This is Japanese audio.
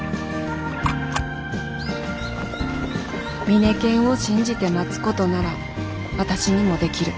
ミネケンを信じて待つことなら私にもできる。